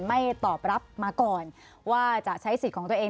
ไม่ตอบรับมาก่อนว่าจะใช้สิทธิ์ของตัวเอง